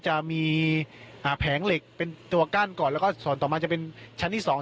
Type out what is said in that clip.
จะมีแผงเหล็กเป็นตัวกั้นก่อนแล้วก็ส่วนต่อมาจะเป็นชั้นที่สอง